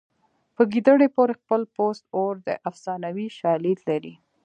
په ګیدړې پورې خپل پوست اور دی افسانوي شالید لري